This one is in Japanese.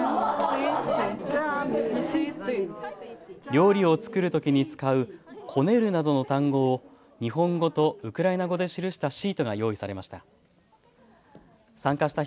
料理を作るときに使うこねるなどの単語を日本語とウクライナ語で記したシートが用意されました。